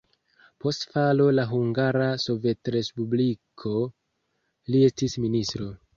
Post falo de Hungara Sovetrespubliko li estis ministro.